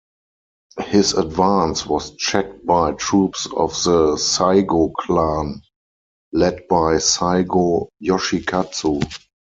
His advance was checked by troops of the Saigo clan, led by Saigo Yoshikatsu.